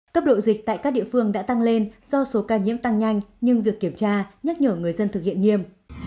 cấp độ dịch tại các địa phương đã tăng lên do số ca nhiễm tăng nhanh nhưng việc kiểm tra nhắc nhở người dân thực hiện nghiêm